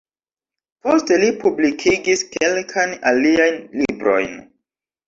Poste li publikigis kelkajn aliajn librojn.